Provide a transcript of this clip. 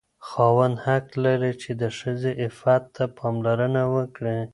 خاوند حق لري چې د ښځې عفت ته پاملرنه وکړي.